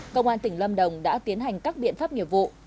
công an tỉnh lâm đồng đã tiến hành các biện pháp nghiệp vụ